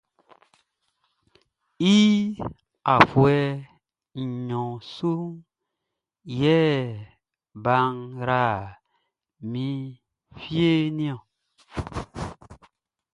I afuɛ nɲɔn su yɛ be yra mi fieʼn niɔn.